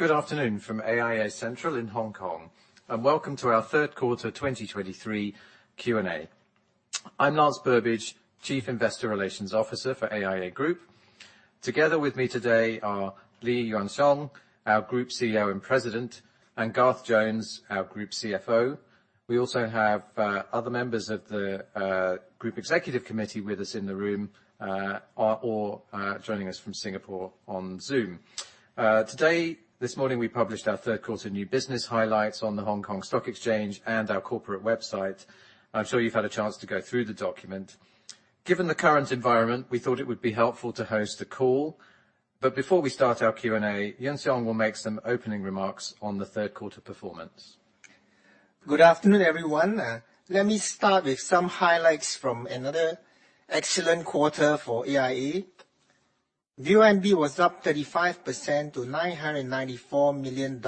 Good afternoon from AIA Central in Hong Kong, and welcome to our Third quarter 2023 Q&A. I'm Lance Burbidge, Chief Investor Relations Officer for AIA Group. Together with me today are Lee Yuan Siong, our Group CEO and President, and Garth Jones, our Group CFO. We also have other members of the Group Executive Committee with us in the room, are all joining us from Singapore on Zoom. Today, this morning, we published our third quarter new business highlights on the Hong Kong Stock Exchange and our corporate website. I'm sure you've had a chance to go through the document. Given the current environment, we thought it would be helpful to host a call, but before we start our Q&A, Yuan Siong will make some opening remarks on the third quarter performance. Good afternoon, everyone. Let me start with some highlights from another excellent quarter for AIA. VONB was up 35% to $994 million.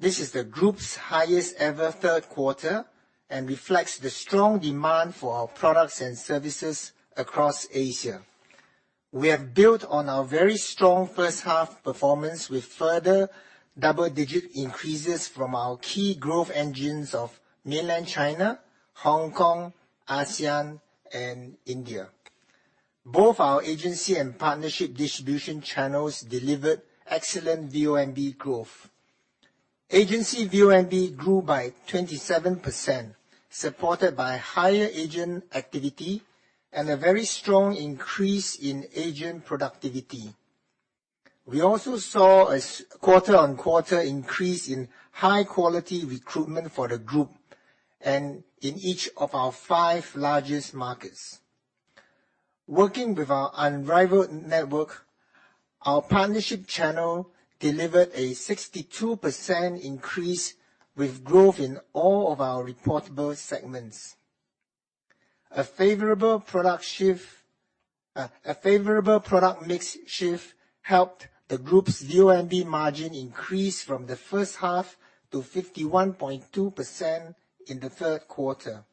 This is the group's highest ever third quarter and reflects the strong demand for our products and services across Asia. We have built on our very strong first half performance, with further double-digit increases from our key growth engines of mainland China, Hong Kong, ASEAN and India. Both our agency and partnership distribution channels delivered excellent VONB growth. Agency VONB grew by 27%, supported by higher agent activity and a very strong increase in agent productivity. We also saw a quarter-on-quarter increase in high quality recruitment for the group and in each of our five largest markets. Working with our unrivaled network, our partnership channel delivered a 62% increase with growth in all of our reportable segments. A favorable product shift, a favorable product mix shift helped the group's VONB margin increase from the first half to 51.2% in the third quarter.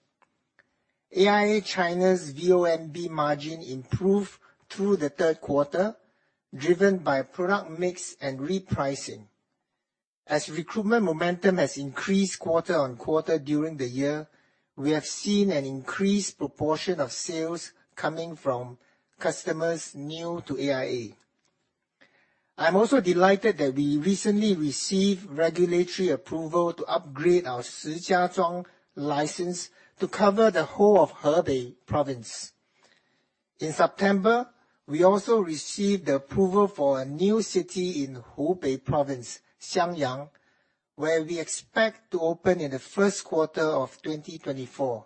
AIA China's VONB margin improved through the third quarter, driven by product mix and repricing. As recruitment momentum has increased quarter-on-quarter during the year, we have seen an increased proportion of sales coming from customers new to AIA. I'm also delighted that we recently received regulatory approval to upgrade our Shijiazhuang license to cover the whole of Hebei Province. In September, we also received the approval for a new city in Hubei Province, Xiangyang, where we expect to open in the first quarter of 2024.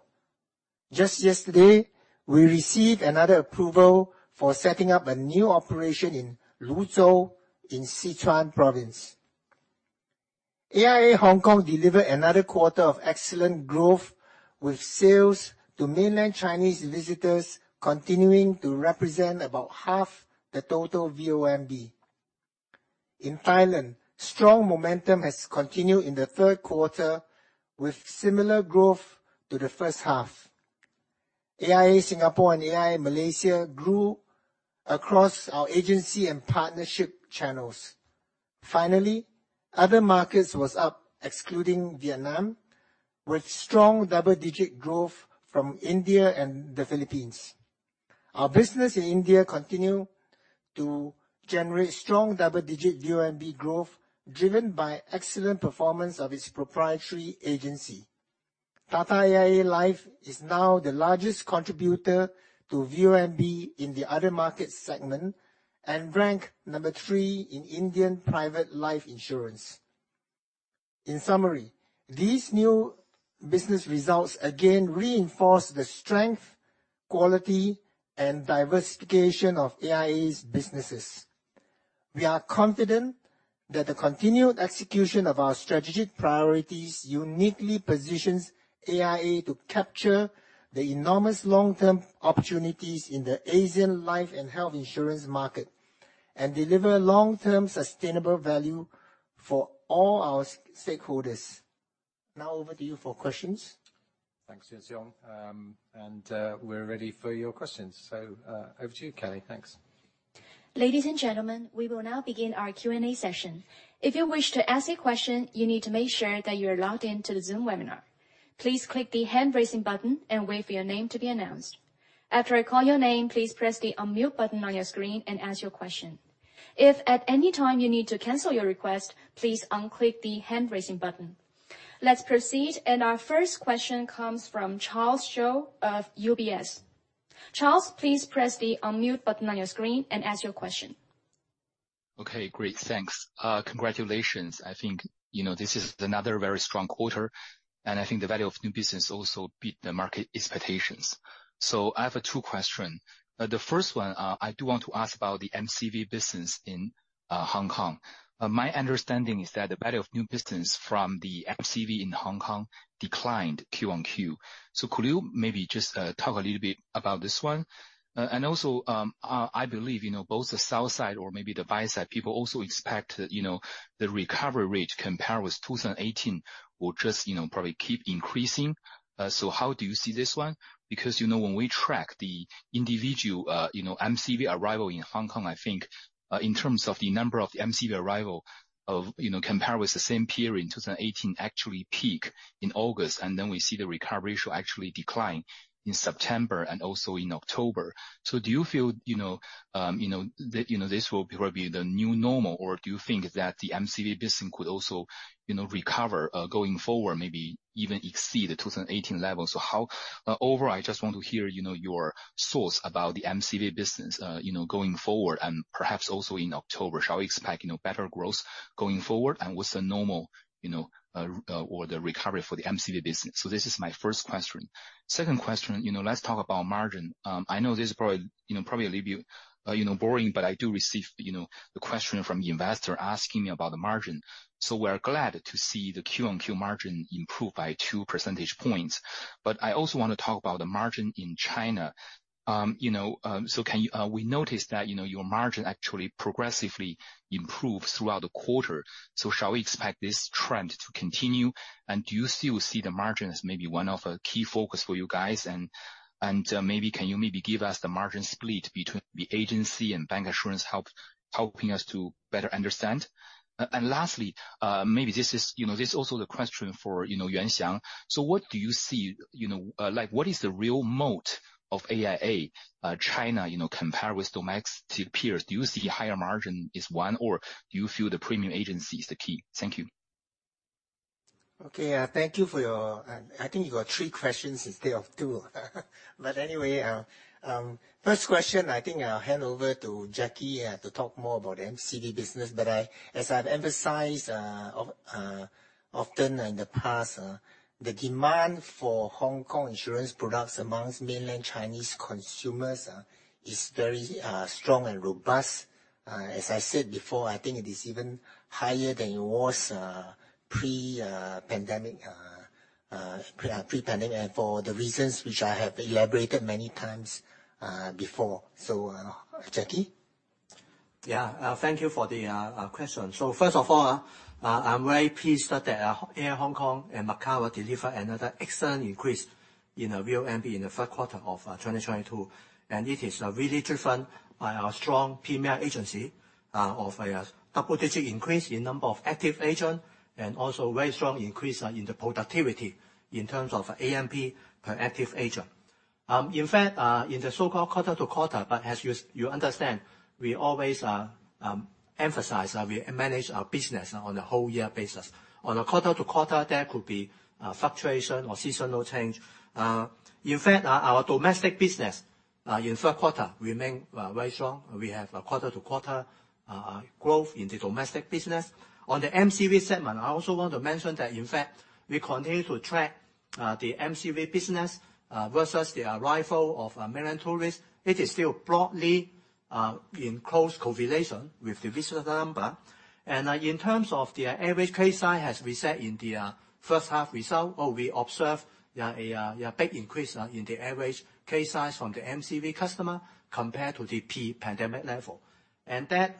Just yesterday, we received another approval for setting up a new operation in Luzhou, in Sichuan Province. AIA Hong Kong delivered another quarter of excellent growth, with sales to mainland Chinese visitors continuing to represent about half the total VONB. In Thailand, strong momentum has continued in the third quarter, with similar growth to the first half. AIA Singapore and AIA Malaysia grew across our agency and partnership channels. Finally, other markets was up, excluding Vietnam, with strong double-digit growth from India and the Philippines. Our business in India continue to generate strong double-digit VONB growth, driven by excellent performance of its proprietary agency. Tata AIA Life is now the largest contributor to VONB in the other market segment and ranked number 3 in Indian private life insurance. In summary, these new business results again reinforce the strength, quality and diversification of AIA's businesses. We are confident that the continued execution of our strategic priorities uniquely positions AIA to capture the enormous long-term opportunities in the Asian life and health insurance market, and deliver long-term sustainable value for all our stakeholders. Now over to you for questions. Thanks, Yuan Siong, we're ready for your questions. So, over to you, Kelly. Thanks. Ladies and gentlemen, we will now begin our Q&A session. If you wish to ask a question, you need to make sure that you're logged in to the Zoom webinar. Please click the hand-raising button and wait for your name to be announced. After I call your name, please press the unmute button on your screen and ask your question. If at any time you need to cancel your request, please unclick the hand-raising button. Let's proceed, and our first question comes from Charles Zhou of UBS. Charles, please press the unmute button on your screen and ask your question. Okay, great. Thanks. Congratulations! I think, you know, this is another very strong quarter, and I think the value of new business also beat the market expectations. So I have two questions. The first one, I do want to ask about the MCV business in Hong Kong. My understanding is that the value of new business from the MCV in Hong Kong declined Q-on-Q. So could you maybe just talk a little bit about this one? And also, I believe, you know, both the sell side or maybe the buy side, people also expect that, you know, the recovery rate compare with 2018 will just, you know, probably keep increasing. So how do you see this one? Because, you know, when we track the individual, you know, MCV arrival in Hong Kong, I think, in terms of the number of MCV arrival of, you know, compare with the same period in 2018, actually peak in August, and then we see the recovery ratio actually decline in September and also in October. So do you feel, you know, you know, that, you know, this will probably be the new normal, or do you think that the MCV business could also, you know, recover, going forward, maybe even exceed the 2018 level? So overall, I just want to hear, you know, your thoughts about the MCV business, you know, going forward, and perhaps also in October. Shall we expect, you know, better growth going forward and what's the normal, you know, or the recovery for the MCV business? So this is my first question. Second question, you know, let's talk about margin. I know this is probably, you know, probably a little bit, you know, boring, but I do receive, you know, the question from the investor asking me about the margin. So we're glad to see the Q-on-Q margin improve by two percentage points. But I also want to talk about the margin in China. You know, so we noticed that, you know, your margin actually progressively improves throughout the quarter. So shall we expect this trend to continue? And do you still see the margin as maybe one of a key focus for you guys? Maybe can you maybe give us the margin split between the agency and bancassurance helping us to better understand? And lastly, maybe this is, you know, this is also the question for, you know, Yuan Siong. So what do you see, you know, like, what is the real moat of AIA China, you know, compare with domestic peers? Do you see higher margin is one, or do you feel the Premier Agency is the key? Thank you. Okay, thank you for your... I think you got three questions instead of two. But anyway, first question, I think I'll hand over to Jacky, to talk more about MCV business. But I, as I've emphasized, often in the past, the demand for Hong Kong insurance products amongst mainland Chinese consumers, is very, strong and robust. As I said before, I think it is even higher than it was, pre-pandemic, and for the reasons which I have elaborated many times, before. So, Jacky? Yeah. Thank you for the question. So first of all, I'm very pleased that AIA Hong Kong and Macau delivered another excellent increase in the VONB in the third quarter of 2022. And it is really driven by our strong Premier Agency of a double-digit increase in number of active agent, and also a very strong increase in the productivity in terms of ANP per active agent. In fact, in the so-called quarter-to-quarter, but as you understand, we always emphasize that we manage our business on a whole year basis. On a quarter-to-quarter, there could be fluctuation or seasonal change. In fact, our domestic business in third quarter remained very strong. We have a quarter-to-quarter growth in the domestic business. On the MCV segment, I also want to mention that, in fact, we continue to track the MCV business versus the arrival of mainland tourists. It is still broadly in close correlation with the visitor number. And in terms of the average case size, as we said in the first half result, or we observe, there are a big increase in the average case size from the MCV customer compared to the pre-pandemic level. And that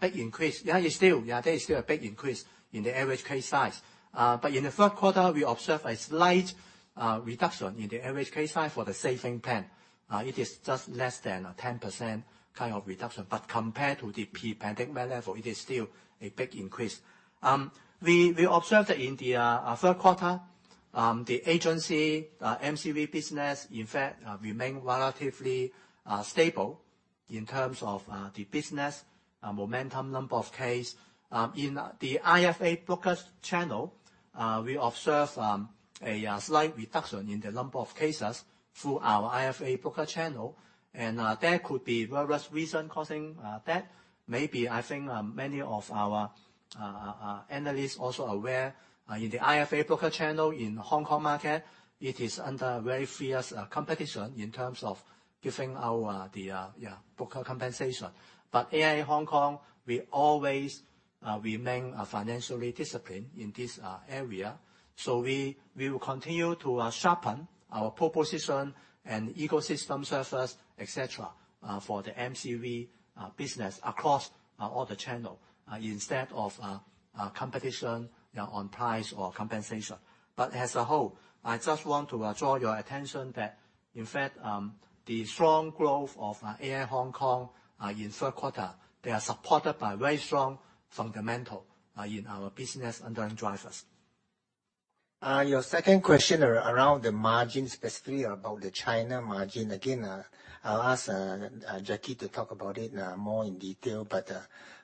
big increase, there is still, yeah, there is still a big increase in the average case size. But in the third quarter, we observed a slight reduction in the average case size for the savings plan. It is just less than a 10% kind of reduction, but compared to the pre-pandemic level, it is still a big increase. We observed that in the third quarter, the agency MCV business, in fact, remained relatively stable in terms of the business momentum, number of case. In the IFA brokers channel, we observed a slight reduction in the number of cases through our IFA broker channel, and there could be various reason causing that. Maybe I think, many of our analysts also aware in the IFA broker channel in Hong Kong market, it is under very fierce competition in terms of giving our the yeah broker compensation. But AIA Hong Kong, we always remain financially disciplined in this area. So we will continue to sharpen our proposition and ecosystem services, et cetera, for the MCV business across all the channel instead of competition on price or compensation. But as a whole, I just want to draw your attention that, in fact, the strong growth of AIA Hong Kong in third quarter, they are supported by very strong fundamental in our business underlying drivers. Your second question around the margin, specifically about the China margin, again, I'll ask Jacky to talk about it more in detail. But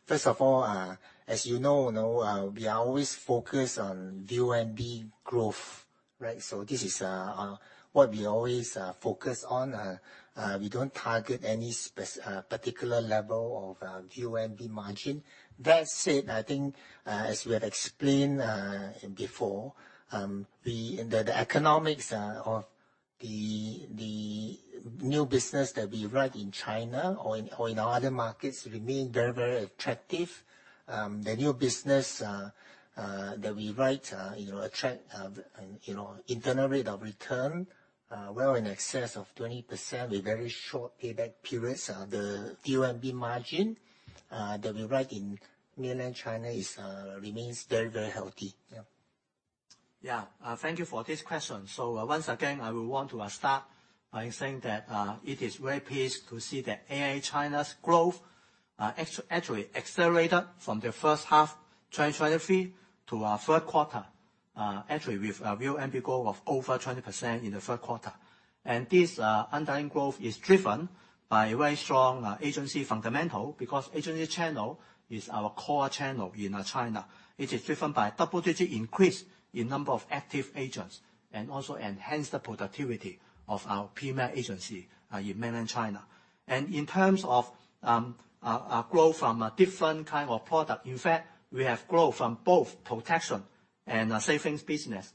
first of all, as you know, now we are always focused on VONB growth, right? So this is what we always focus on. We don't target any particular level of VONB margin. That said, I think, as we have explained before, the economics of the new business that we write in China or in our other markets remain very, very attractive. The new business that we write, you know, attract, you know, internal rate of return well in excess of 20% with very short payback periods. The VONB margin that we write in Mainland China remains very, very healthy. Yeah. Yeah, thank you for this question. So, once again, I will want to start by saying that it is very pleased to see that AIA China's growth actually accelerated from the first half, 2023, to third quarter. Actually, with VONB growth of over 20% in the third quarter. And this underlying growth is driven by a very strong agency fundamental, because agency channel is our core channel in China. It is driven by double-digit increase in number of active agents, and also enhance the productivity of our Premier Agency in Mainland China. And in terms of a growth from a different kind of product, in fact, we have growth from both protection and savings business.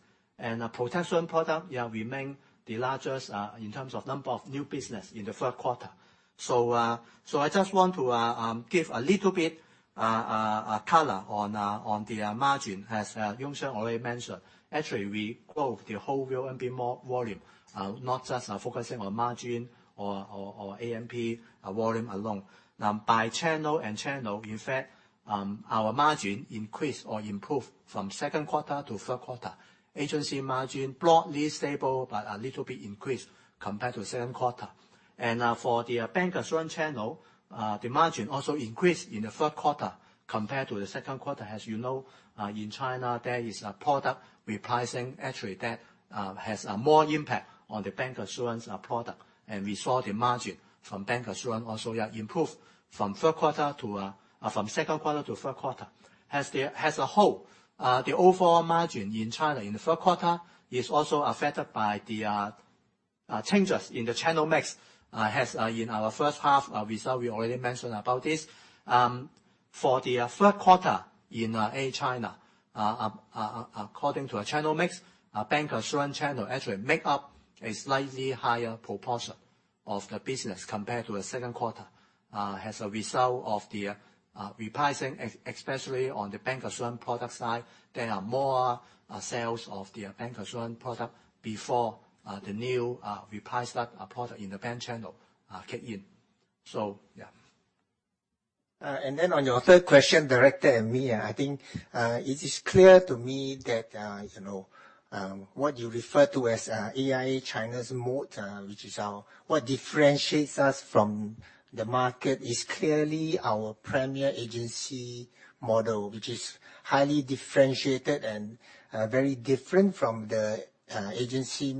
Protection product, yeah, remain the largest in terms of number of new business in the third quarter. So, I just want to give a little bit a color on the margin, as Yuan Siong already mentioned. Actually, we grow the whole VONB more volume, not just focusing on margin or ANP volume alone. Now, by channel and channel, in fact, our margin increased or improved from second quarter to third quarter. Agency margin broadly stable, but a little bit increased compared to second quarter. For the bancassurance channel, the margin also increased in the third quarter compared to the second quarter. As you know, in China, there is a product repricing, actually, that has more impact on the bancassurance product. We saw the margin from bancassurance also, yeah, improve from third quarter to from second quarter to third quarter. As a whole, the overall margin in China in the third quarter is also affected by the changes in the channel mix. As in our first half result, we already mentioned about this. For the third quarter in AIA China, according to a channel mix, our bancassurance channel actually make up a slightly higher proportion of the business compared to the second quarter. As a result of the repricing, especially on the bancassurance product side, there are more sales of the bancassurance product before the new repriced product in the bank channel kick in. So, yeah. And then on your third question, directed and me, I think, it is clear to me that, you know, what you refer to as, AIA China's moat, which is our what differentiates us from the market, is clearly our Premier Agency model, which is highly differentiated and, very different from the, agency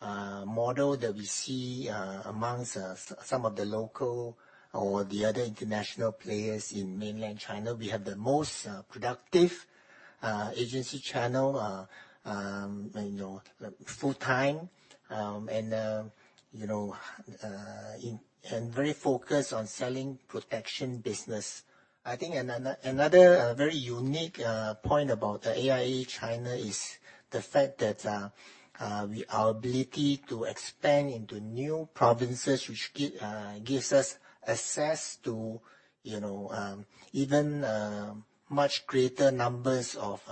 model that we see, among some of the local or the other international players in Mainland China. We have the most productive agency channel, you know, full-time, and, you know, and very focused on selling protection business. I think another very unique point about the AIA China is the fact that we our ability to expand into new provinces, which gives us access to, you know, even much greater numbers of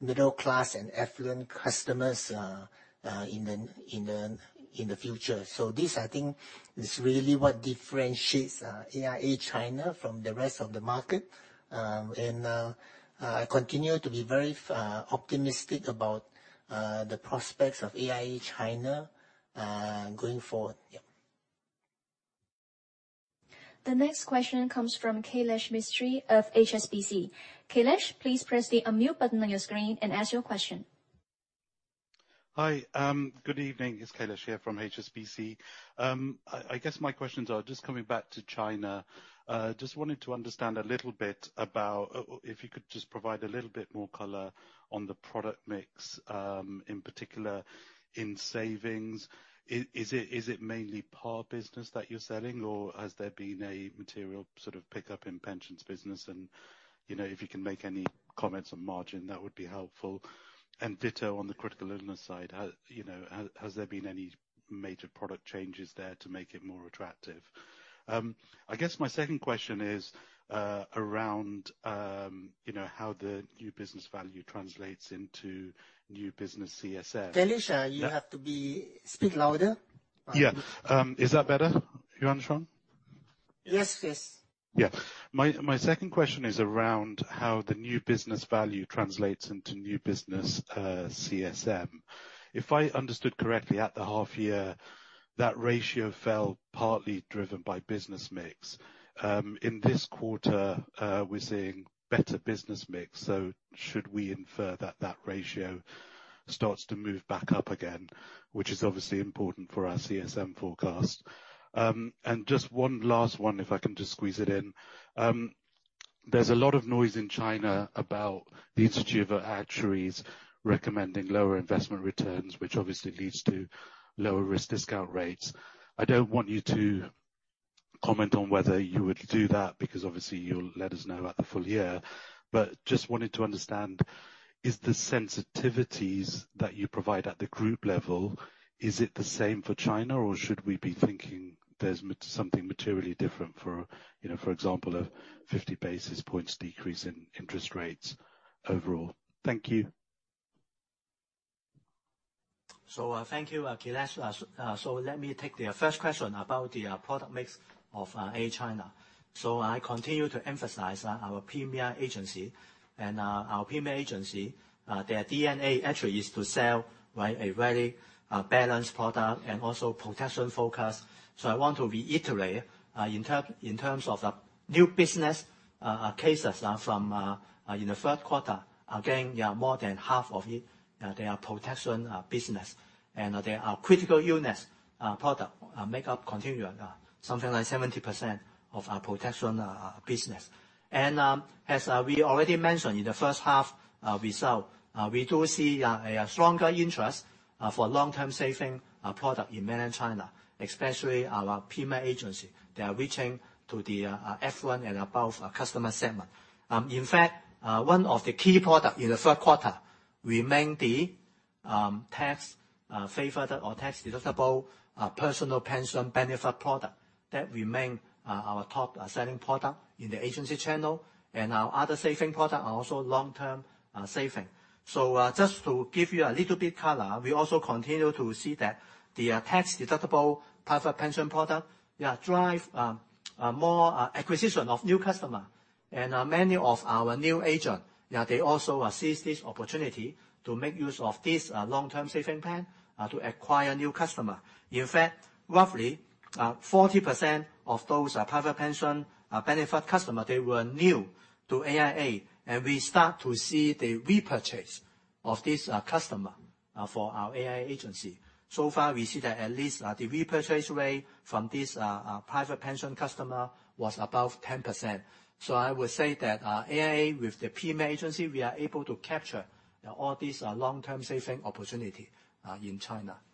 middle class and affluent customers in the future. So this, I think, is really what differentiates AIA China from the rest of the market. And I continue to be very optimistic about the prospects of AIA China going forward. Yeah. The next question comes from Kailesh Mistry of HSBC. Kailesh, please press the unmute button on your screen and ask your question. Hi, good evening. It's Kailesh here from HSBC. I guess my questions are just coming back to China. Just wanted to understand a little bit about if you could just provide a little bit more color on the product mix, in particular, in savings. Is it mainly par business that you're selling, or has there been a material sort of pick up in pensions business? And, you know, if you can make any comments on margin, that would be helpful. And ditto on the critical illness side. Has, you know, has there been any major product changes there to make it more attractive? I guess my second question is around, you know, how the new business value translates into new business CSM. Kailesh- Yeah. You have to be... Speak louder. Yeah. Is that better, Yuan Siong? Yes, please. Yeah. My, my second question is around how the new business value translates into new business CSM. If I understood correctly, at the half year, that ratio fell partly driven by business mix. In this quarter, we're seeing better business mix, so should we infer that that ratio starts to move back up again? Which is obviously important for our CSM forecast. And just one last one, if I can just squeeze it in. There's a lot of noise in China about the Institute of Actuaries recommending lower investment returns, which obviously leads to lower risk discount rates. I don't want you to comment on whether you would do that, because obviously you'll let us know about the full year. But just wanted to understand, is the sensitivities that you provide at the group level, is it the same for China? Or should we be thinking there's something materially different for, you know, for example, a 50 basis points decrease in interest rates overall? Thank you. So, thank you, Kailesh. So let me take the first question about the product mix of AIA China. So I continue to emphasize our Premier Agency. And our Premier Agency, their DNA actually is to sell, right, a very balanced product and also protection focused. So I want to reiterate in terms of the new business cases from in the third quarter. Again, yeah, more than half of it they are protection business, and they are critical illness product make up continuing something like 70% of our protection business. And as we already mentioned in the first half result, we do see a stronger interest for long-term saving product in Mainland China, especially our Premier Agency. They are reaching to the affluent and above customer segment. In fact, one of the key product in the third quarter remain the tax-favored or tax-deductible personal pension benefit product. That remain our top selling product in the agency channel, and our other saving product are also long-term saving. So, just to give you a little bit color, we also continue to see that the tax-deductible private pension product, yeah, drive a more acquisition of new customer. And, many of our new agent, yeah, they also seize this opportunity to make use of this long-term saving plan to acquire new customer. In fact, roughly 40% of those private pension benefit customer, they were new to AIA, and we start to see the repurchase of this customer for our AIA agency. So far, we see that at least the repurchase rate from this private pension customer was above 10%. So I would say that AIA, with the Premier Agency, we are able to capture all these long-term saving opportunity in China. Yeah.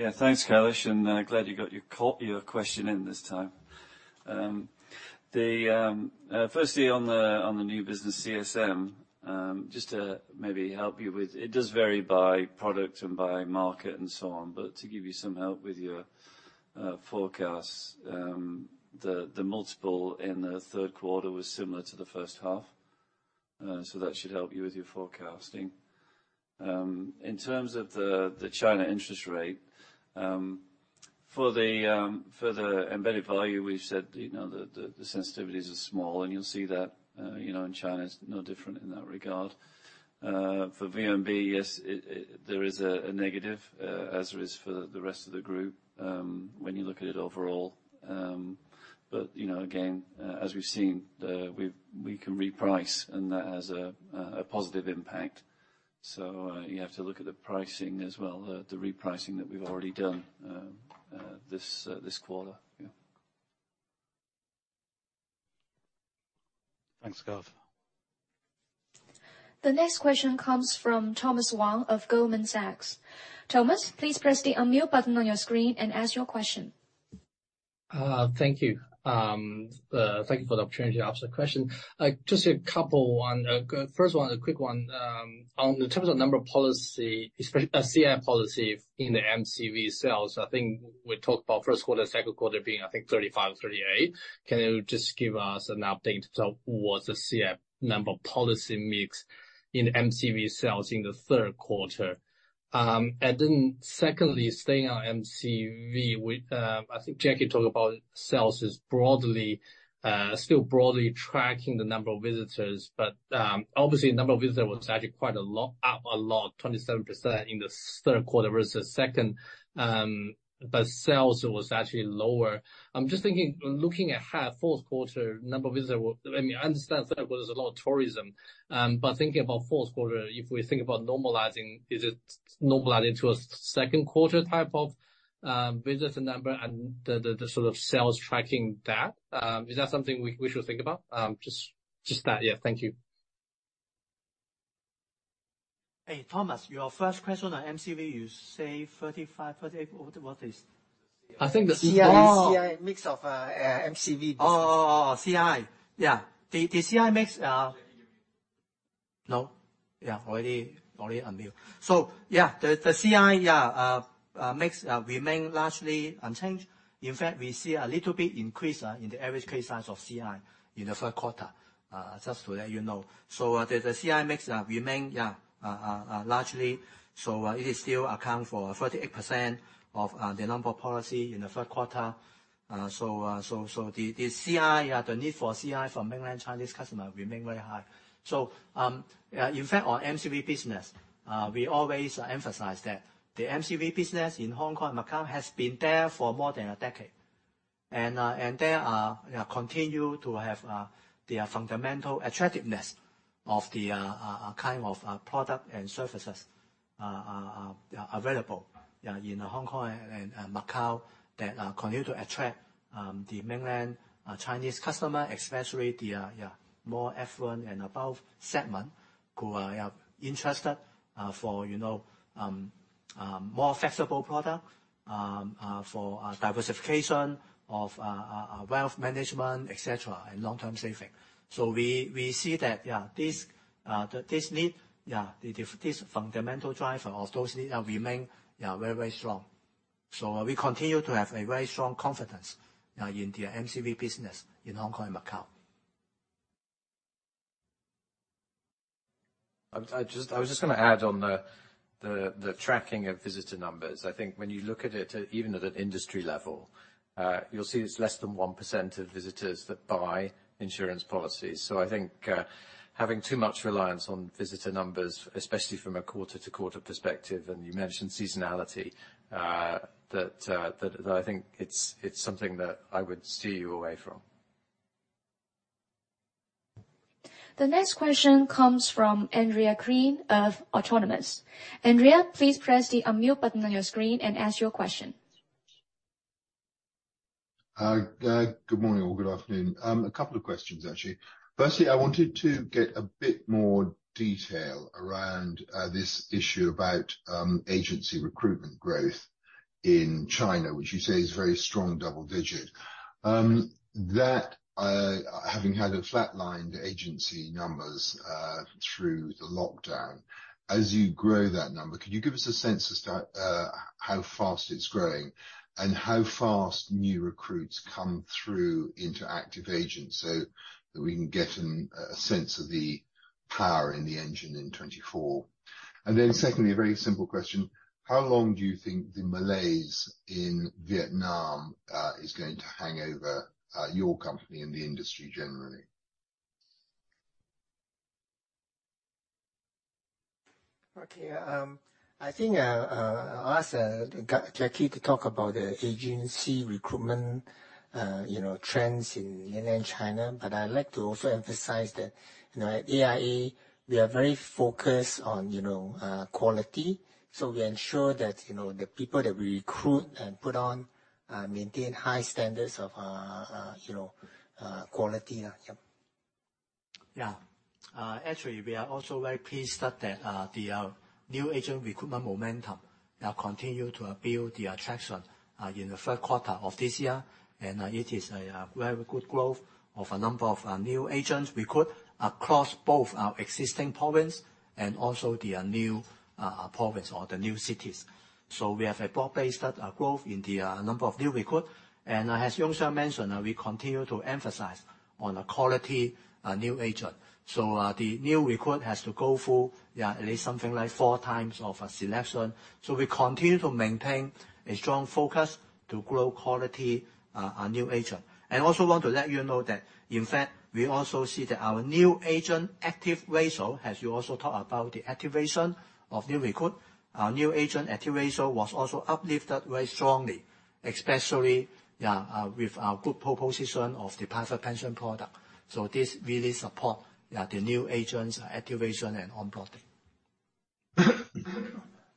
Yeah, thanks, Kailesh, and glad you got your your question in this time. Firstly, on the new business CSM, just to maybe help you with, it does vary by product and by market and so on. But to give you some help with your forecast, the multiple in the third quarter was similar to the first half. So that should help you with your forecasting. In terms of the China interest rate, for the embedded value, we've said, you know, the sensitivities are small, and you'll see that, you know, in China, it's no different in that regard. For VONB, yes, it there is a negative, as there is for the rest of the group, when you look at it overall. But, you know, again, as we've seen, we can reprice, and that has a positive impact. So, you have to look at the pricing as well, the repricing that we've already done this quarter. Yeah. Thanks, Garth. The next question comes from Thomas Wang of Goldman Sachs. Thomas, please press the unmute button on your screen and ask your question. Thank you. Thank you for the opportunity to ask the question. Just a couple one. First one, a quick one. On the terms of number of policy, CI policy in the MCV sales, I think we talked about first quarter, second quarter being, I think, 35, 38. Can you just give us an update towards the CI number policy mix in MCV sales in the third quarter? And then secondly, staying on MCV, I think Jacky talked about sales is broadly still broadly tracking the number of visitors. But obviously, the number of visitors was actually quite a lot, up a lot, 27% in the third quarter versus second. But sales was actually lower. I'm just thinking, looking at how fourth quarter number of visitors will... I mean, I understand third quarter there's a lot of tourism. But thinking about fourth quarter, if we think about normalizing, is it normalizing to a second quarter type of visitor number and the sort of sales tracking that? Is that something we should think about? Just that. Yeah. Thank you. Hey, Thomas, your first question on MCV, you say 35, 38. What is? I think the- CI. Oh. CI mix of MCV business. Oh, oh, oh, CI. Yeah. The CI mix... No? Yeah, already unmute. So yeah, the CI mix remain largely unchanged. In fact, we see a little bit increase in the average case size of CI in the third quarter, just to let you know. So, the CI mix remain largely, so it is still account for 38% of the number of policy in the third quarter. So, the CI, the need for CI from Mainland Chinese customer remain very high. So, yeah, in fact, our MCV business, we always emphasize that the MCV business in Hong Kong and Macau has been there for more than a decade. They continue to have the fundamental attractiveness of the kind of product and services available in Hong Kong and Macau that continue to attract the Mainland Chinese customer, especially the more affluent and above segment, who are interested for you know more flexible product for diversification of wealth management, et cetera, and long-term saving. So we see that this fundamental driver of those need remain very very strong. So we continue to have a very strong confidence in the MCV business in Hong Kong and Macau. I was just gonna add on the tracking of visitor numbers. I think when you look at it, even at an industry level, you'll see it's less than 1% of visitors that buy insurance policies. So I think having too much reliance on visitor numbers, especially from a quarter-to-quarter perspective, and you mentioned seasonality, that I think it's something that I would steer you away from. The next question comes from Andrew Crean of Autonomous. Andrew, please press the unmute button on your screen and ask your question. Good morning or good afternoon. A couple of questions, actually. Firstly, I wanted to get a bit more detail around this issue about agency recruitment growth in China, which you say is very strong double digit. That, having had a flatlined agency numbers through the lockdown, as you grow that number, could you give us a sense as to how fast it's growing? And how fast new recruits come through into active agents, so that we can get a sense of the power in the engine in 2024. And then secondly, a very simple question: How long do you think the malaise in Vietnam is going to hang over your company and the industry generally? Okay, I think ask Jacky to talk about the agency recruitment, you know, trends in Mainland China, but I'd like to also emphasize that, you know, at AIA, we are very focused on, you know, quality. So we ensure that, you know, the people that we recruit and put on maintain high standards of, you know, quality. Yeah. Yeah. Actually, we are also very pleased that the new agent recruitment momentum continue to build the attraction in the third quarter of this year. And it is a very good growth of a number of new agents recruit across both our existing province and also the new province or the new cities. So we have a broad-based growth in the number of new recruit. And as Yuan Siong mentioned, we continue to emphasize on the quality new agent. So the new recruit has to go through, yeah, at least something like four times of a selection. So we continue to maintain a strong focus to grow quality new agent. Also want to let you know that, in fact, we also see that our new agent active ratio, as you also talked about, the activation of new recruit. New agent active ratio was also uplifted very strongly, especially with our good proposition of the past pension product. So this really support the new agents' activation and onboarding.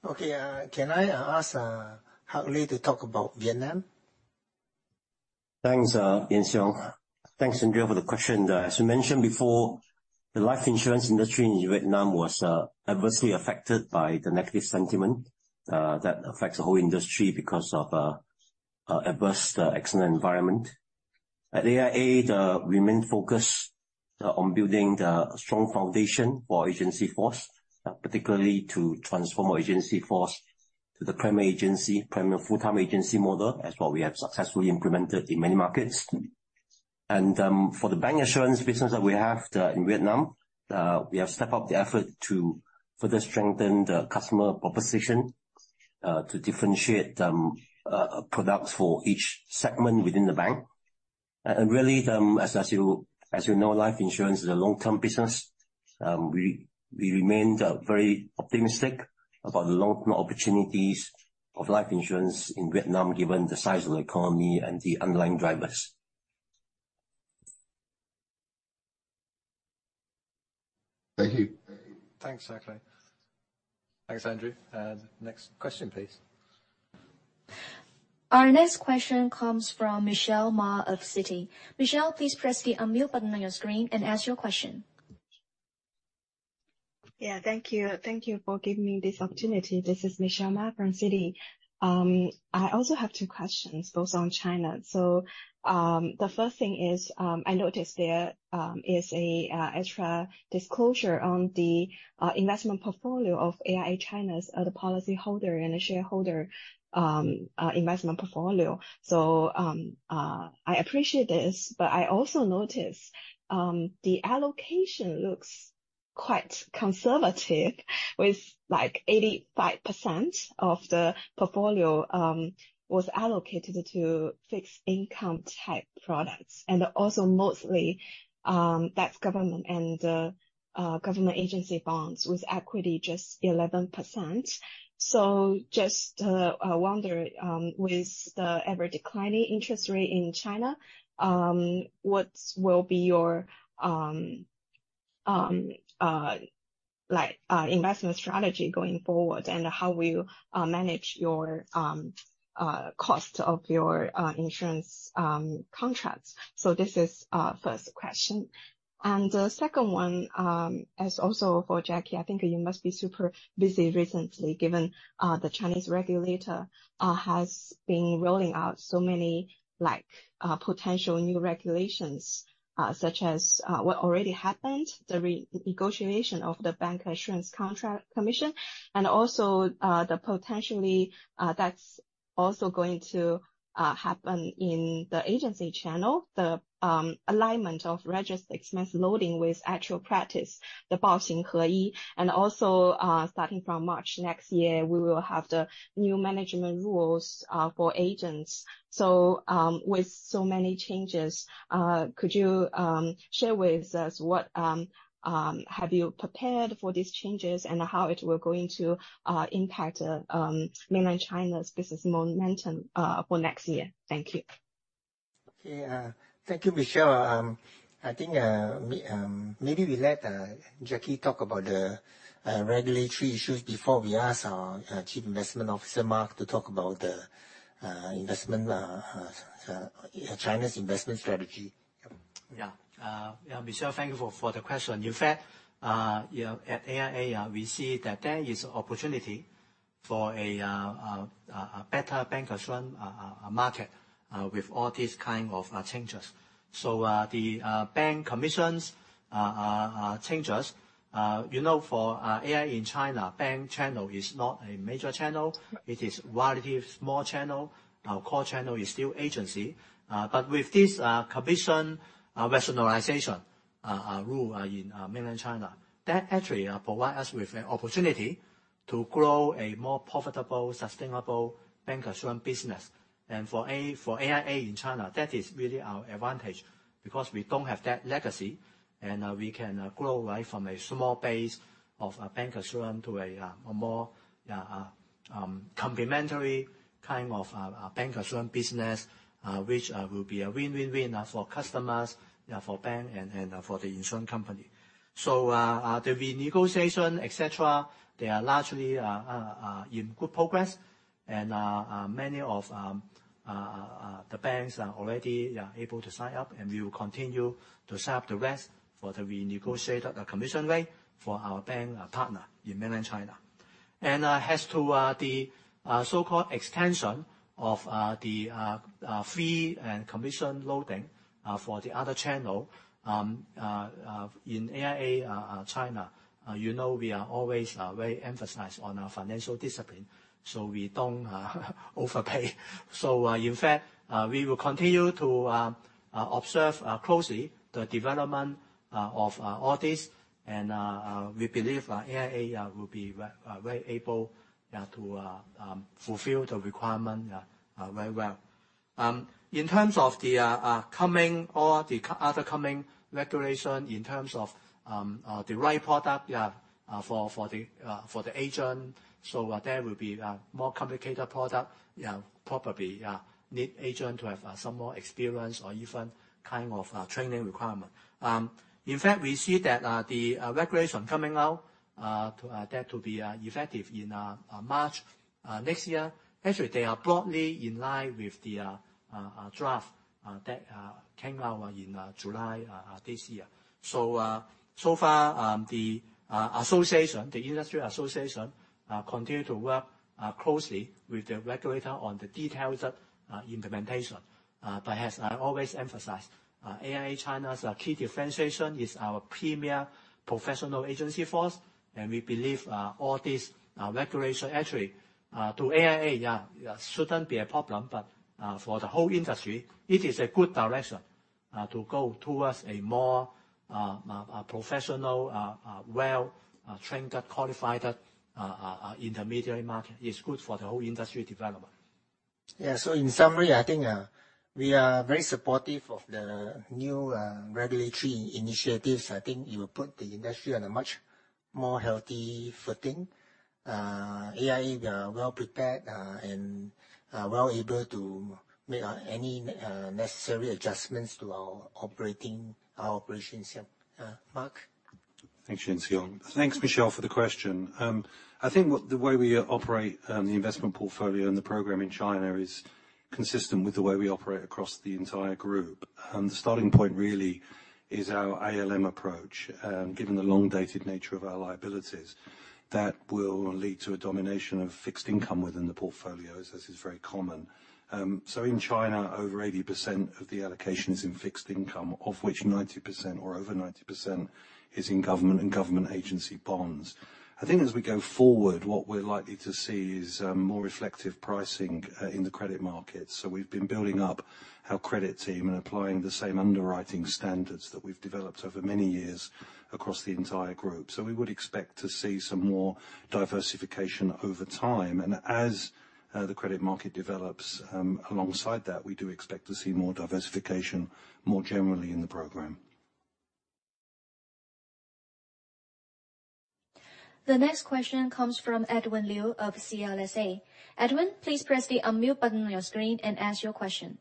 Okay, can I ask Hak Leh to talk about Vietnam? Thanks, Yuan Siong. Thanks, Andrew, for the question. As you mentioned before, the life insurance industry in Vietnam was adversely affected by the negative sentiment that affects the whole industry because of adverse external environment. At AIA, the... We remain focused on building the strong foundation for agency force, particularly to transform our agency force to the Premier Agency, premier full-time agency model, as what we have successfully implemented in many markets. For the bancassurance business that we have in Vietnam, we have stepped up the effort to further strengthen the customer proposition to differentiate products for each segment within the bank. Really, as you know, life insurance is a long-term business. We remain very optimistic about the long-term opportunities of life insurance in Vietnam, given the size of the economy and the underlying drivers. Thank you. Thanks, Hak Leh. Thanks, Andrew. Next question, please. Our next question comes from Michelle Ma of Citi. Michelle, please press the unmute button on your screen and ask your question. Yeah, thank you. Thank you for giving me this opportunity. This is Michelle Ma from Citi. I also have two questions, both on China. So, the first thing is, I noticed there is an extra disclosure on the investment portfolio of AIA China's, the policyholder and the shareholder investment portfolio. So, I appreciate this, but I also notice the allocation looks quite conservative, with, like, 85% of the portfolio was allocated to fixed income type products, and also mostly, that's government and government agency bonds with equity just 11%.... So just, I wonder, with the ever-declining interest rate in China, what will be your, like, investment strategy going forward, and how will you manage your cost of your insurance contracts? So this is the first question. And the second one is also for Jacky. I think you must be super busy recently, given the Chinese regulator has been rolling out so many, like, potential new regulations, such as what already happened, the re-negotiation of the bancassurance contract commission, and also the potentially that's also going to happen in the agency channel. The alignment of registered expense loading with actual practice, and also starting from March next year, we will have the new management rules for agents. So with so many changes, could you share with us what have you prepared for these changes and how it will going to impact Mainland China's business momentum for next year? Thank you. Okay, thank you, Michelle. I think we maybe let Jacky talk about the regulatory issues before we ask our Chief Investment Officer, Mark, to talk about the investment, China's investment strategy. Yeah. Yeah, Michelle, thank you for the question. In fact, you know, at AIA, we see that there is opportunity for a better bancassurance market with all these kind of changes. So, the bank commissions changes, you know, for AIA China, bank channel is not a major channel. Mm-hmm. It is a relatively small channel. Our core channel is still agency. But with this commission rationalization rule in Mainland China, that actually provide us with an opportunity to grow a more profitable, sustainable bancassurance business. And for AIA in China, that is really our advantage because we don't have that legacy, and we can grow right from a small base of a bancassurance to a more complementary kind of bancassurance business, which will be a win-win-win for customers, for bank, and for the insurance company. So, the renegotiation, et cetera, they are largely in good progress and many of the banks are already able to sign up, and we will continue to sign up the rest for the renegotiated commission rate for our bank partner in Mainland China. As to the so-called extension of the fee and commission loading for the other channel in AIA China, you know, we are always very emphasized on our financial discipline, so we don't overpay. So, in fact, we will continue to observe closely the development of all this, and we believe AIA will be very able to fulfill the requirement very well. In terms of the other coming regulation in terms of the right product, yeah, for the agent, so there will be more complicated product, yeah, probably need agent to have some more experience or even kind of training requirement. In fact, we see that the regulation coming out to be effective in March next year. Actually, they are broadly in line with the draft that came out in July this year. So, so far, the association, the industry association, continue to work closely with the regulator on the detailed implementation. But as I always emphasize, AIA China's key differentiation is our premier professional agency force, and we believe all these regulation actually to AIA shouldn't be a problem, but for the whole industry, it is a good direction to go towards a more professional, well-trained and qualified intermediary market. It's good for the whole industry development. Yeah. So in summary, I think we are very supportive of the new regulatory initiatives. I think it will put the industry on a much more healthy footing. AIA, we are well prepared, and well able to make any necessary adjustments to our operating, our operations here. Mark? Thanks, Yuan Siong. Thanks, Michelle, for the question. I think what the way we operate, the investment portfolio and the program in China is consistent with the way we operate across the entire group. The starting point really is our ALM approach. Given the long-dated nature of our liabilities, that will lead to a domination of fixed income within the portfolios, as is very common. So in China, over 80% of the allocation is in fixed income, of which 90% or over 90% is in government and government agency bonds. I think as we go forward, what we're likely to see is, more reflective pricing, in the credit market. So we've been building up our credit team and applying the same underwriting standards that we've developed over many years across the entire group. So we would expect to see some more diversification over time, and as the credit market develops, alongside that, we do expect to see more diversification more generally in the program. The next question comes from Edwin Liu of CLSA. Edwin, please press the unmute button on your screen and ask your question.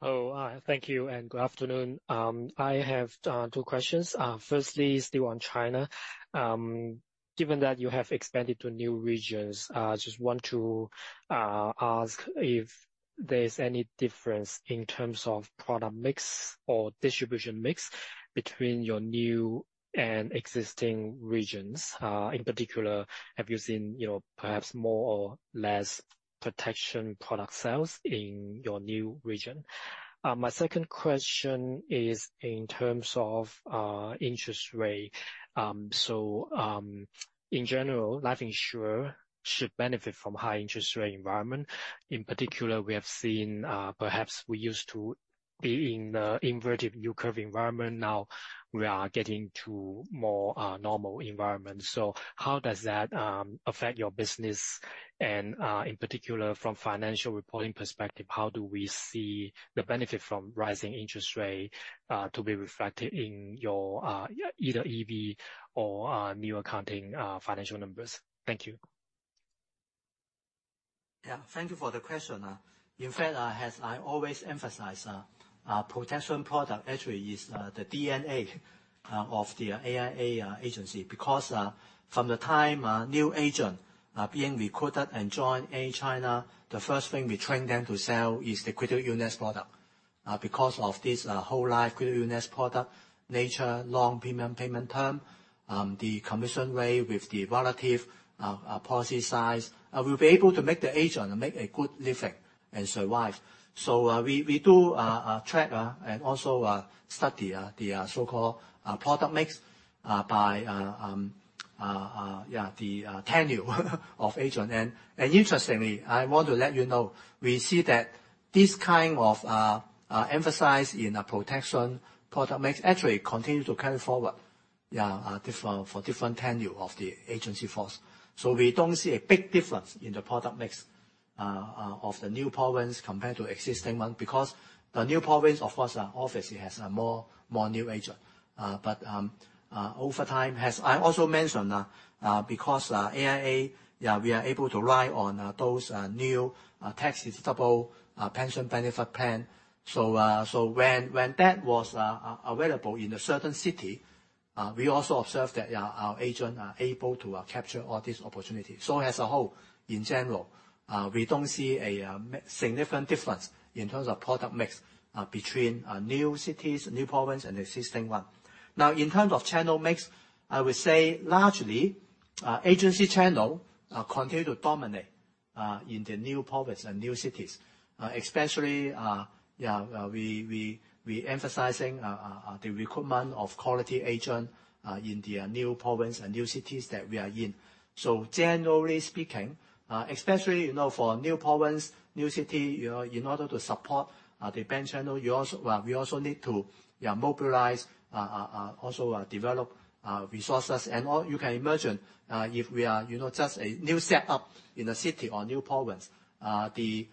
Oh, thank you, and good afternoon. I have two questions. Firstly, still on China, given that you have expanded to new regions, I just want to ask if there is any difference in terms of product mix or distribution mix between your new and existing regions. In particular, have you seen, you know, perhaps more or less protection product sales in your new region? My second question is in terms of interest rate. So, in general, life insurer should benefit from high interest rate environment. In particular, we have seen perhaps we used to be in the inverted yield curve environment, now we are getting to more normal environment. So how does that affect your business? In particular, from financial reporting perspective, how do we see the benefit from rising interest rate to be reflected in your either EV or new accounting financial numbers? Thank you. Yeah, thank you for the question. In fact, as I always emphasize, protection product actually is the DNA of the AIA agency. Because from the time a new agent are being recruited and join in China, the first thing we train them to sell is the critical illness product. Because of this whole life critical illness product nature, long premium payment term, the commission rate with the relative policy size, we'll be able to make the agent make a good living and survive. So, we do track and also study the so-called product mix by the tenure of agent. Interestingly, I want to let you know, we see that this kind of emphasis in a protection product mix actually continue to carry forward, yeah, for different tenure of the agency force. So we don't see a big difference in the product mix of the new province compared to existing one, because the new province, of course, obviously has more new agent. But over time, as I also mentioned, because AIA, yeah, we are able to ride on those new tax-deductible pension benefit plan. So when that was available in a certain city, we also observed that, yeah, our agent are able to capture all these opportunities. So as a whole, in general, we don't see a significant difference in terms of product mix between new cities, new province and existing one. Now, in terms of channel mix, I would say largely agency channel continue to dominate in the new province and new cities. Especially, we emphasizing the recruitment of quality agent in the new province and new cities that we are in. So generally speaking, especially, you know, for new province, new city, you know, in order to support the bank channel, we also need to mobilize also develop resources. And as you can imagine, if we are, you know, just a new set-up in a city or new province, the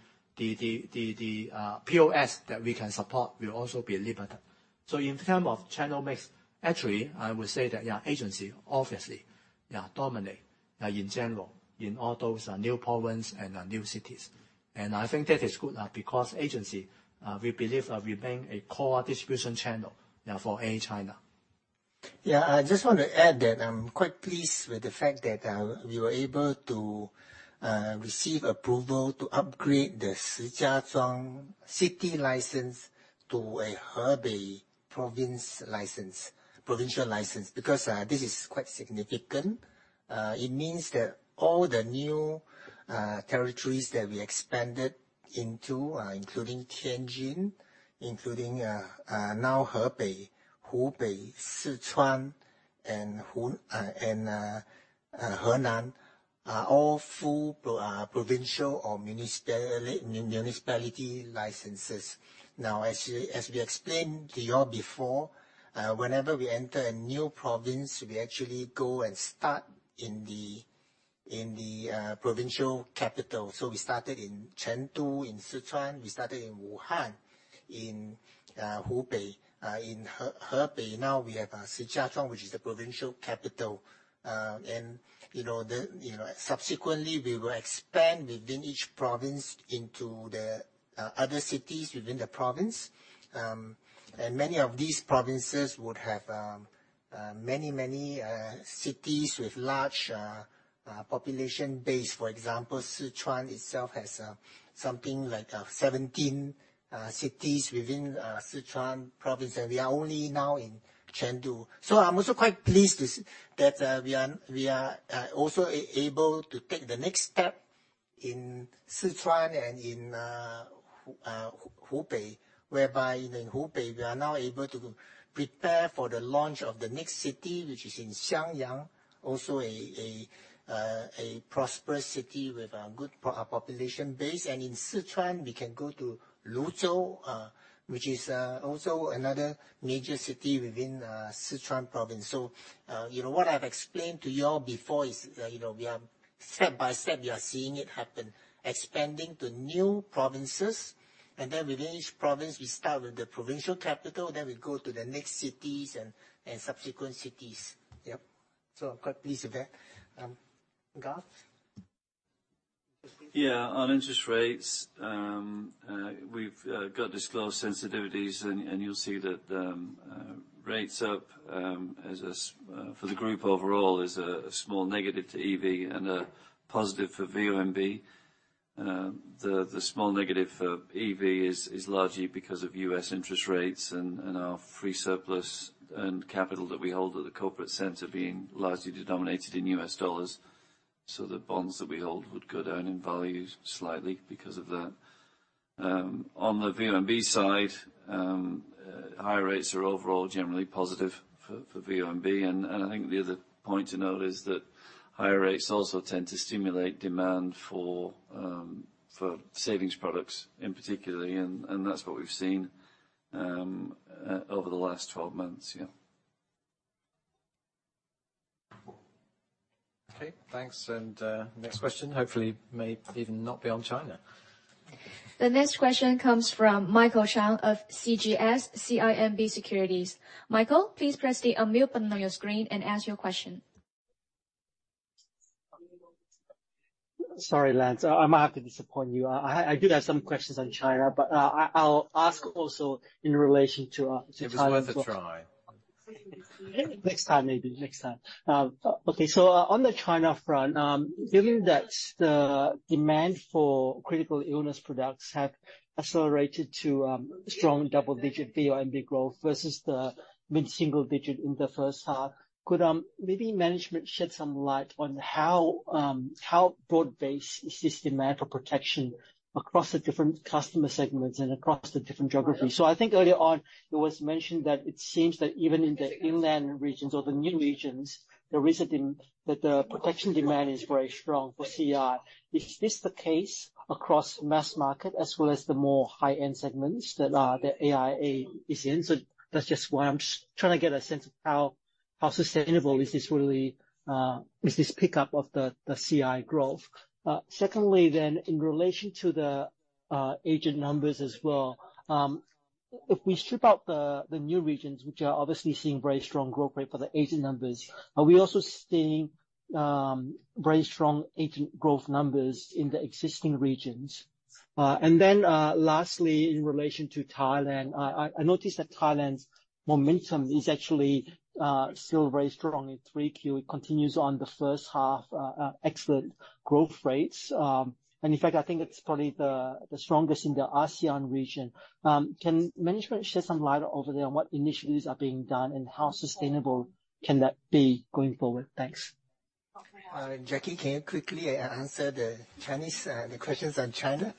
POS that we can support will also be limited. So in terms of channel mix, actually, I would say that, yeah, agency obviously, yeah, dominate in general, in all those new province and new cities. And I think that is good, because agency, we believe, remain a core distribution channel for AIA China. Yeah, I just want to add that I'm quite pleased with the fact that we were able to receive approval to upgrade the Shijiazhuang city license to a Hebei province license, provincial license, because this is quite significant. It means that all the new territories that we expanded into, including Tianjin, including now Hebei, Hubei, Sichuan, and Henan, are all full provincial or municipality licenses. Now, as we explained to you all before, whenever we enter a new province, we actually go and start in the provincial capital. So we started in Chengdu, in Sichuan, we started in Wuhan, in Hubei. In Hebei, now we have Shijiazhuang, which is the provincial capital. And, you know, the, you know... subsequently, we will expand within each province into the other cities within the province. And many of these provinces would have many, many cities with large population base. For example, Sichuan itself has something like 17 cities within Sichuan province, and we are only now in Chengdu. So I'm also quite pleased to see that we are, we are also able to take the next step in Sichuan and in Hubei, whereby in Hubei, we are now able to prepare for the launch of the next city, which is in Xiangyang, also a prosperous city with a good population base. And in Sichuan, we can go to Luzhou, which is also another major city within Sichuan province. So, you know, what I've explained to you all before is, you know, step by step, we are seeing it happen. Expanding to new provinces, and then within each province, we start with the provincial capital, then we go to the next cities and subsequent cities. Yep. So I'm quite pleased with that. Garth? Yeah. On interest rates, we've got disclosed sensitivities, and you'll see that rates up as a sensitivity for the group overall is a small negative to EV and a positive for VONB. The small negative for EV is largely because of U.S. interest rates and our free surplus and capital that we hold at the corporate center being largely denominated in U.S. dollars, so the bonds that we hold would go down in value slightly because of that. On the VONB side, higher rates are overall generally positive for VONB. And, and I think the other point to note is that higher rates also tend to stimulate demand for savings products in particular, and that's what we've seen over the last 12 months. Yeah. Okay, thanks. Next question, hopefully may even not be on China. The next question comes from Michael Chang of CGS-CIMB Securities. Michael, please press the unmute button on your screen and ask your question. Sorry, Lance, I might have to disappoint you. I do have some questions on China, but I’ll ask also in relation to China as well. It was worth a try. Next time, maybe. Next time. Okay, so on the China front, given that the demand for critical illness products have accelerated to strong double-digit VONB growth versus the mid-single digit in the first half, could maybe management shed some light on how broad-based is this demand for protection across the different customer segments and across the different geographies? So I think earlier on, it was mentioned that it seems that even in the inland regions or the new regions, there is that the protection demand is very strong for CI. Is this the case across mass market as well as the more high-end segments that AIA is in? So that's just why I'm just trying to get a sense of how sustainable is this really, is this pickup of the CI growth. Second, then, in relation to the agent numbers as well, if we strip out the new regions, which are obviously seeing very strong growth rate for the agent numbers, are we also seeing very strong agent growth numbers in the existing regions? And then, lastly, in relation to Thailand, I noticed that Thailand's momentum is actually still very strong in 3Q. It continues on the first half excellent growth rates, and in fact, I think it's probably the strongest in the ASEAN region. Can management shed some light over there on what initiatives are being done, and how sustainable can that be going forward? Thanks. Jacky, can you quickly answer the questions on China?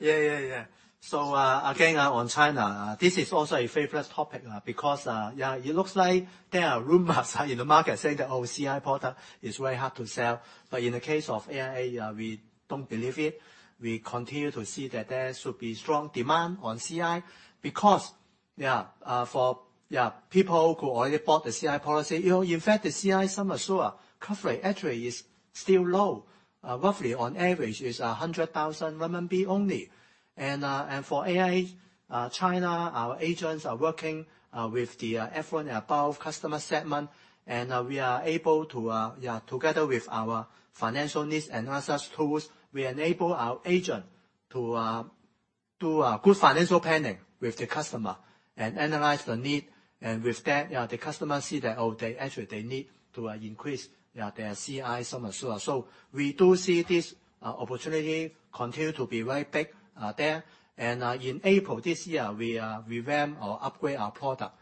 Yeah, yeah, yeah. So, again, on China, this is also a favorite topic, because, yeah, it looks like there are rumors in the market saying that, "Oh, CI product is very hard to sell." But in the case of AIA, we don't believe it. We continue to see that there should be strong demand on CI because, yeah, for, yeah, people who already bought the CI policy, you know, in fact, the CI, sum assured coverage actually is still low. Roughly on average is 100,000 RMB only. And, and for AIA China, our agents are working with the affluent and above customer segment. We are able to, yeah, together with our financial needs and analysis tools, we enable our agent to do a good financial planning with the customer and analyze the need. With that, the customer see that, oh, they actually need to increase, yeah, their CI sum assured. So we do see this opportunity continue to be very big there. In April this year, we revamp or upgrade our product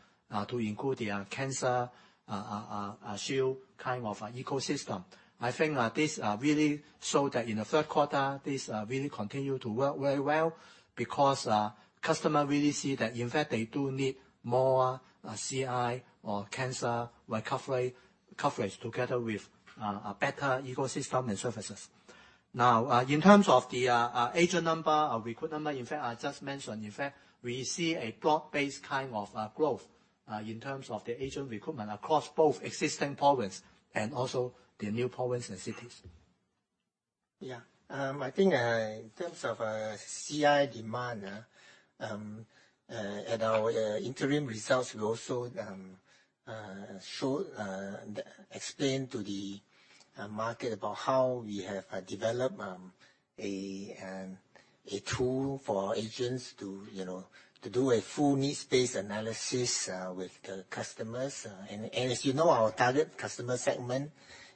to include the Cancer Shield kind of ecosystem. I think this really show that in the third quarter, this really continue to work very well because customer really see that in fact, they do need more CI or cancer recovery coverage together with a better ecosystem and services. Now, in terms of the agent number, recruit number, in fact, I just mentioned, in fact, we see a broad-based kind of growth, in terms of the agent recruitment across both existing province and also the new province and cities. Yeah. I think in terms of CI demand, at our interim results, we also explain to the market about how we have developed a tool for our agents to, you know, to do a full needs-based analysis with the customers. And as you know, our target customer segment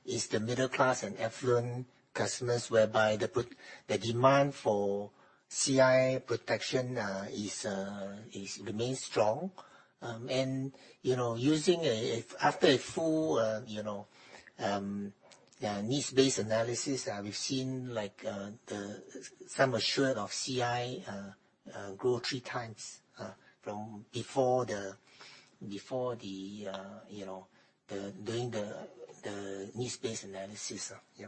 is the middle class and affluent customers, whereby the demand for CI protection remains strong. And you know, after a full needs-based analysis, we've seen like the sum assured of CI grow 3 times from before doing the needs-based analysis. Yeah.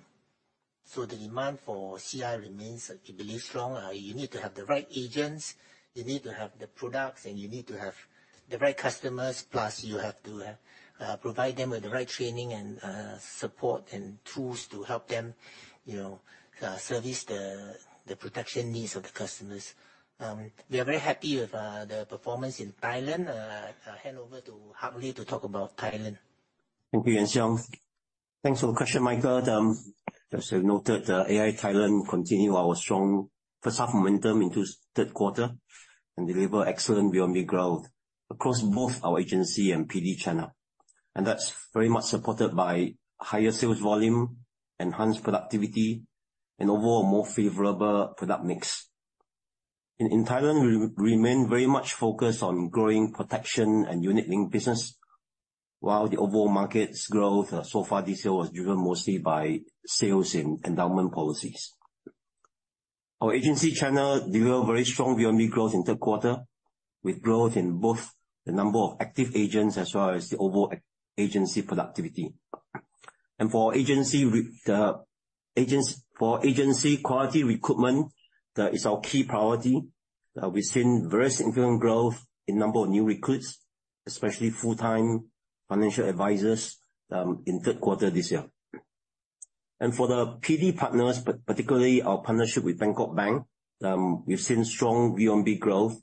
So the demand for CI remains strong. You need to have the right agents, you need to have the products, and you need to have-... the right customers, plus you have to provide them with the right training and support and tools to help them, you know, service the protection needs of the customers. We are very happy with the performance in Thailand. I'll hand over to Hak Leh to talk about Thailand. Thank you, Yuan Siong. Thanks for the question, Michael. As we noted, AIA Thailand continue our strong first half momentum into third quarter and deliver excellent VONB growth across both our agency and PD channel. And that's very much supported by higher sales volume, enhanced productivity and overall more favorable product mix. In Thailand, we remain very much focused on growing protection and unit-linked business, while the overall market's growth so far this year was driven mostly by savings and endowment policies. Our agency channel delivered very strong VONB growth in third quarter, with growth in both the number of active agents as well as the overall agency productivity. And for agency quality recruitment, that is our key priority. We've seen very significant growth in number of new recruits, especially full-time financial advisors, in third quarter this year. For the PD partners, particularly our partnership with Bangkok Bank, we've seen strong VONB growth,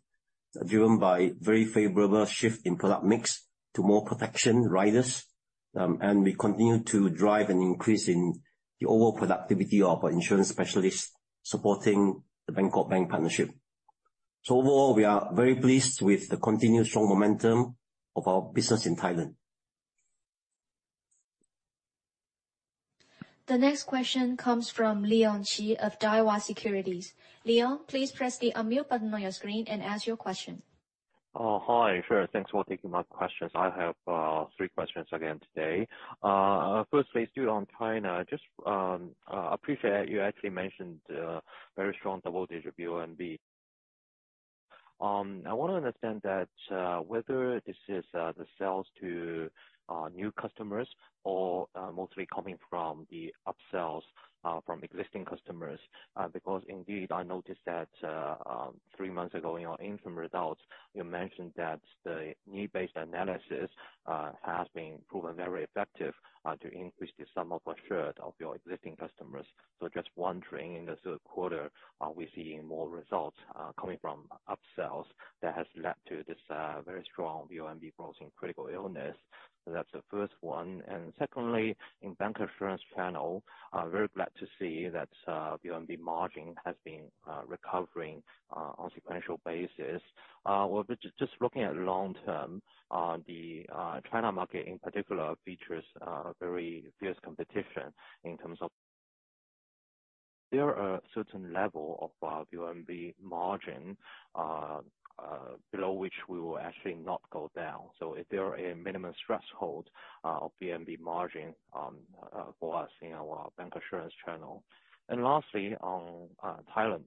driven by very favorable shift in product mix to more protection riders. We continue to drive an increase in the overall productivity of our insurance specialists supporting the Bangkok Bank partnership. Overall, we are very pleased with the continued strong momentum of our business in Thailand. The next question comes from Leon Qi of Daiwa Securities. Leon, please press the unmute button on your screen and ask your question. Hi. Sure, thanks for taking my questions. I have three questions again today. Firstly, still on China, just appreciate you actually mentioned very strong double-digit of VONB. I want to understand that whether this is the sales to new customers or mostly coming from the upsells from existing customers? Because indeed, I noticed that three months ago, in your interim results, you mentioned that the need-based analysis has been proven very effective to increase the sum assured of your existing customers. So just wondering, in the third quarter, are we seeing more results coming from upsells that has led to this very strong VONB growth in critical illness? So that's the first one. And secondly, in bancassurance channel, I'm very glad to see that VONB margin has been recovering on sequential basis. Well, but just looking at long term, the China market in particular features very fierce competition in terms of... There are a certain level of VONB margin below which we will actually not go down. So is there a minimum threshold of VONB margin for us in our bancassurance channel? And lastly, on Thailand.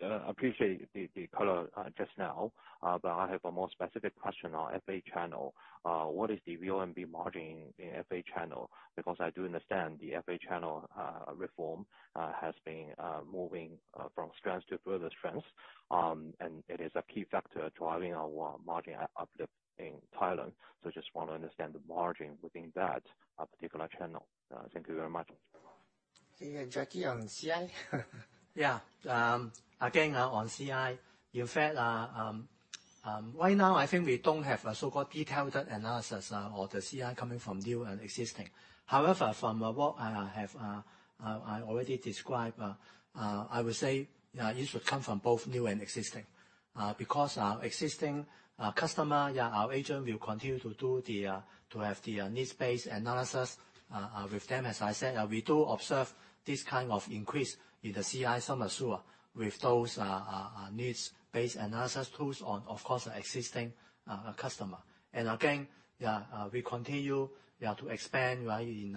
Appreciate the color just now, but I have a more specific question on FA channel. What is the VONB margin in FA channel? Because I do understand the FA channel reform has been moving from strengths to further strengths. It is a key factor driving our margin uplift in Thailand. Just want to understand the margin within that particular channel. Thank you very much. Okay, and Jacky on CI? Yeah. Again, on CI, in fact, right now, I think we don't have a so-called detailed analysis of the CI coming from new and existing. However, from what I have, I already described, I would say, it should come from both new and existing. Because our existing customer, yeah, our agent will continue to do the, to have the needs-based analysis with them. As I said, we do observe this kind of increase in the CI sum assured with those needs-based analysis tools on, of course, the existing customer. And again, yeah, we continue, yeah, to expand, right, in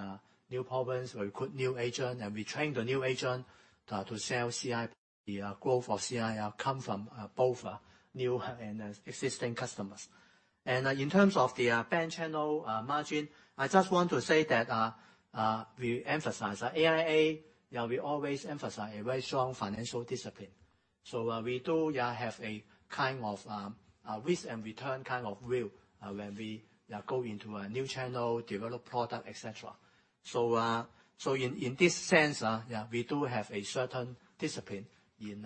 new province, recruit new agent, and we train the new agent to sell CI. The growth of CI come from both new and existing customers. In terms of the bank channel margin, I just want to say that we emphasize at AIA. We always emphasize a very strong financial discipline. So, we do have a kind of a risk and return kind of view when we go into a new channel, develop product, et cetera. So, in this sense, we do have a certain discipline in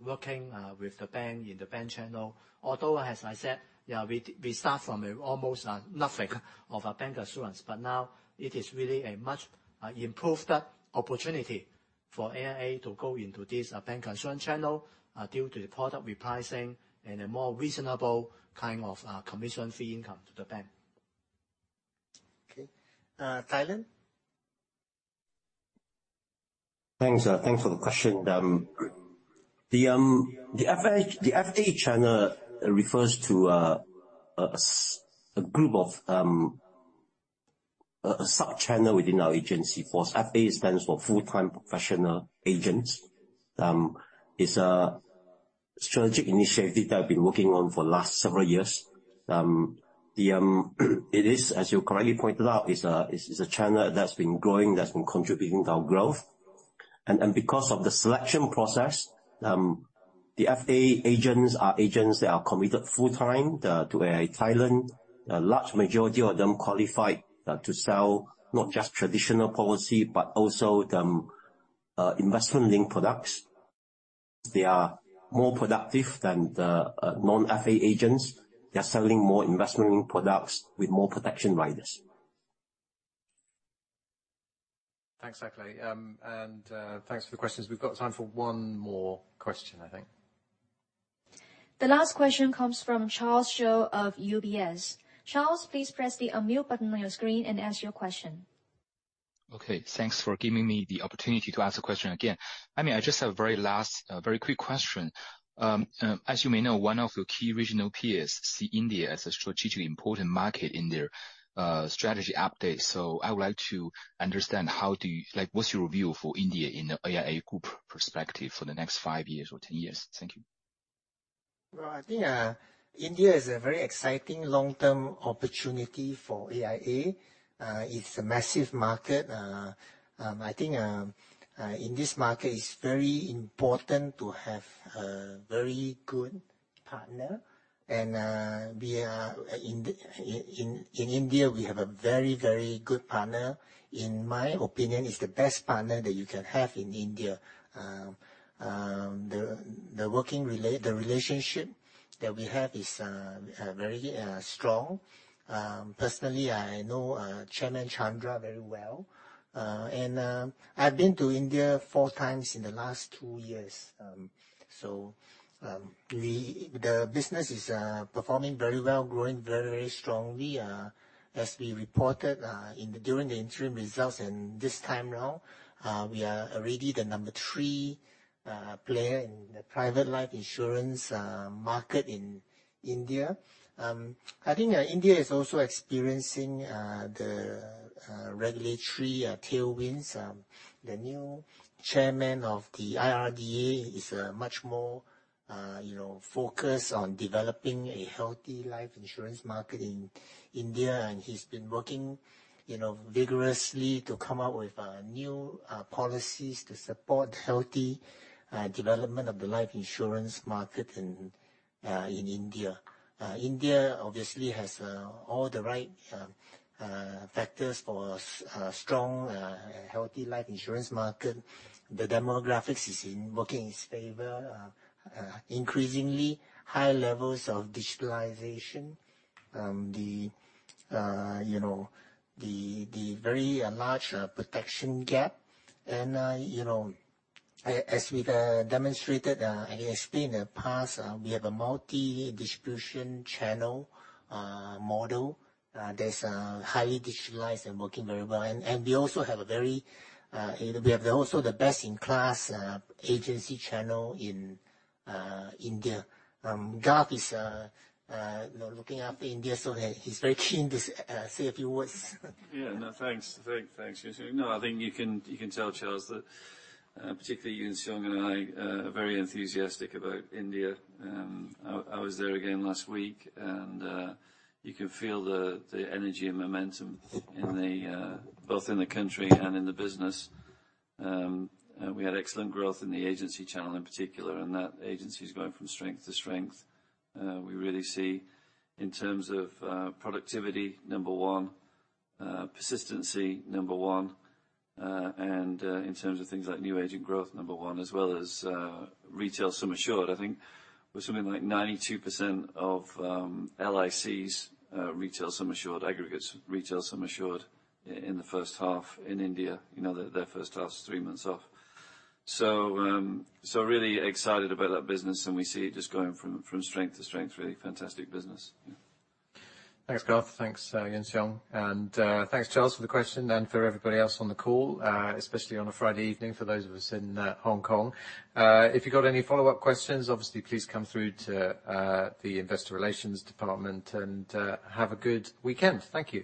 working with the bank, in the bank channel. Although, as I said, yeah, we start from almost nothing of a bancassurance, but now it is really a much improved opportunity for AIA to go into this bancassurance channel due to the product repricing and a more reasonable kind of commission fee income to the bank. Okay. Thailand? Thanks, thanks for the question. The FA channel refers to a sub-channel within our agency. The FA stands for full-time professional agents. It's a strategic initiative that I've been working on for the last several years. It is, as you correctly pointed out, a channel that's been growing, that's been contributing to our growth. Because of the selection process, the FA agents are agents that are committed full-time to AIA Thailand. A large majority of them qualified to sell not just traditional policy, but also some investment-linked products. They are more productive than the non-FA agents. They are selling more investment products with more protection riders. Thanks, Hak Leh. Thanks for the questions. We've got time for one more question, I think. The last question comes from Charles Zhou of UBS. Charles, please press the unmute button on your screen and ask your question. Okay, thanks for giving me the opportunity to ask a question again. I mean, I just have a very last, very quick question. As you may know, one of your key regional peers see India as a strategically important market in their, strategy update. So I would like to understand, how do you... Like, what's your view for India in the AIA Group perspective for the next five years or ten years? Thank you. Well, I think India is a very exciting long-term opportunity for AIA. It's a massive market. I think in this market, it's very important to have a very good partner, and we are in India, we have a very, very good partner. In my opinion, it's the best partner that you can have in India. The relationship that we have is very strong. Personally, I know Chairman Chandra very well, and I've been to India four times in the last two years. So, the business is performing very well, growing very strongly. As we reported during the interim results and this time around, we are already the number 3 player in the private life insurance market in India. I think India is also experiencing the regulatory tailwinds. The new chairman of the IRDA is much more, you know, focused on developing a healthy life insurance market in India, and he's been working, you know, vigorously to come up with new policies to support healthy development of the life insurance market in India. India obviously has all the right factors for a strong healthy life insurance market. The demographics is working in its favor. Increasingly high levels of digitalization. You know, the very large protection gap and, you know, as we've demonstrated and explained in the past, we have a multi-distribution channel model that's highly digitalized and working very well. And we also have a very... We have also the best-in-class agency channel in India. Garth is looking after India, so he's very keen to say a few words. Yeah. No, thanks. Thanks, Yuan Siong. No, I think you can tell, Charles, that particularly Yuan Siong and I are very enthusiastic about India. I was there again last week, and you can feel the energy and momentum in both the country and the business. And we had excellent growth in the agency channel in particular, and that agency is going from strength to strength. We really see in terms of productivity, number one, persistency, number one, and in terms of things like new agent growth, number one, as well as retail sum assured. I think with something like 92% of LIC's retail sum assured, aggregate retail sum assured in the first half in India, you know, their first half is three months off. So, so really excited about that business, and we see it just going from strength to strength. Really fantastic business. Thanks, Garth. Thanks, Yuan Siong, and thanks, Charles, for the question, and for everybody else on the call, especially on a Friday evening, for those of us in Hong Kong. If you got any follow-up questions, obviously, please come through to the investor relations department, and have a good weekend. Thank you.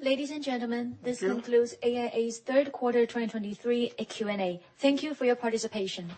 Ladies and gentlemen, this concludes- Thank you. AIA's Third Quarter 2023 Q&A. Thank you for your participation.